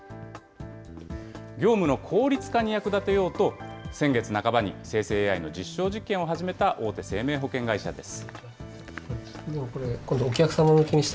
業務の効率化に役立てようと、先月半ばに生成ＡＩの実証実験を始めた大手生命保険会社です。